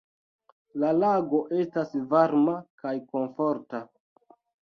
"La lago estas varma kaj komforta."